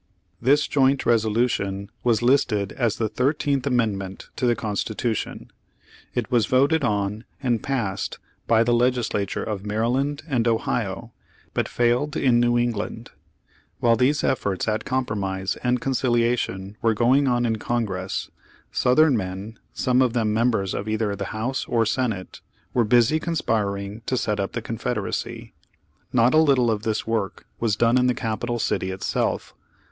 This joint resolution was listed as the Thirteen amendment to the Constitution. It was voted on and passed by the legislature of Maryland and Ohio, but failed in New England. While these ef forts at compromise and conciliation were going on in Congress, Southern men, some of them mem bers of either the House or Senate, were busy conspiring to set up the Confederacy. Not a little of this work was done in the capital city itself.